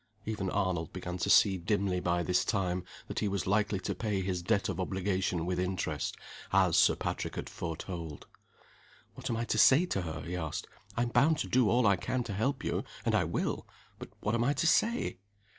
Even Arnold began to see dimly by this time that he was likely to pay his debt of obligation with interest as Sir Patrick had foretold. "What am I to say to her?" he asked. "I'm bound to do all I can do to help you, and I will. But what am I to say?"